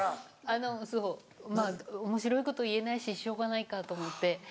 あのそうまぁおもしろいこと言えないししょうがないかと思って。